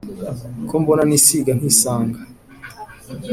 ko mbona nisiga nkisanga